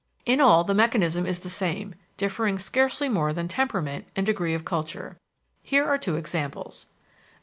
In all the mechanism is the same, differing scarcely more than temperament and degree of culture. Here are two examples.